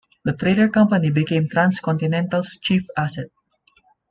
The trailer company became Trans Continental's chief asset.